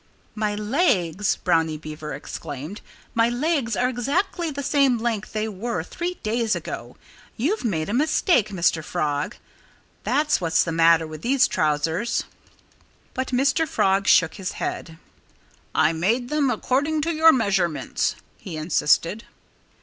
"My legs " Brownie Beaver exclaimed "my legs are exactly the same length they were three days ago! You've made a mistake, Mr. Frog. That's what's the matter with these trousers!" But Mr. Frog shook his head. "I made them according to your measurements," he insisted.